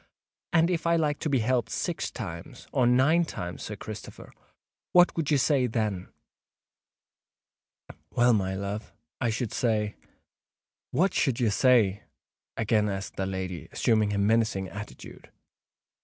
"And if I like to be helped six times—or nine times, Sir Christopher—what should you say then?" "Well, my love—I should say——" "What should you say?" again asked the lady, assuming a menacing attitude.